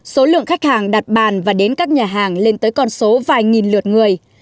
số lượng khách hàng đặt bàn và đến các nhà hàng lên tới con số vài nghìn lượt người